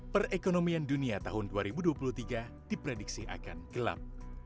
perekonomian dunia tahun dua ribu dua puluh tiga diprediksi akan gelap